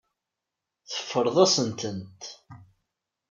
Teffreḍ-asen-tent.